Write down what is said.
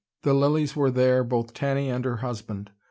The Lillys were there, both Tanny and her husband.